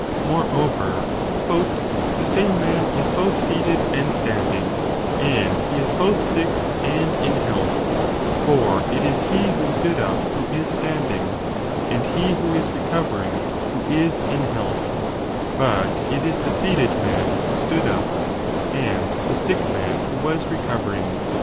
Moreover, The same man is both seated and standing and he is both sick and in health : for it is he who stood up who is standing, and he who is recovering i66 a who is in health : but it is the seated man who stood up, and the sick man who was recovering.